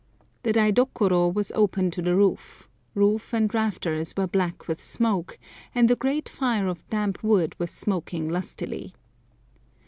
The daidokoro was open to the roof, roof and rafters were black with smoke, and a great fire of damp wood was smoking lustily.